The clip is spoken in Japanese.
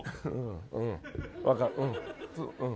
うん、分かる、うん。